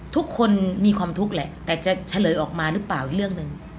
ทุกคนมีความทุกข์แหละแต่จะเฉลยออกมาหรือเปล่าอีกเรื่องหนึ่ง